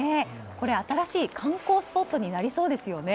これ、新しい観光スポットになりそうですよね。